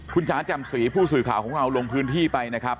คุณจ๋าแจ่มสีผู้สื่อข่าวของเราลงพื้นที่ไปนะครับ